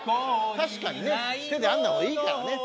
確かにね手で編んだ方がいいからね。